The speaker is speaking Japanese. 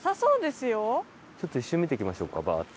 ちょっと一瞬見てきましょうかバーッて。